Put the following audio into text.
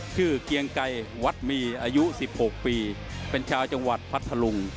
คือเกียงไก่วัดมีอายุสิบหกปีเป็นชาวจังหวัดพัทธรุง